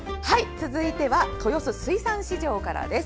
続いては豊洲水産市場からです。